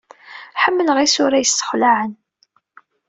Ḥemmleɣ isura yessexlaɛen.